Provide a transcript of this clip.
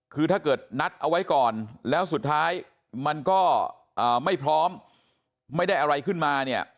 คือถ้าเกิดนัดเอาไว้ก่อนแล้วสุดท้ายมันก็ไม่พร้อมไม่ได้อะไรขึ้นมาเนี่ย